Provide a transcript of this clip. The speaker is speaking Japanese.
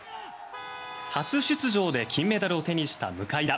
初出場で金メダルを手にした向田。